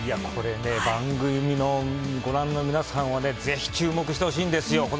これ、番組を御覧の皆さんは是非、注目してほしいんですよ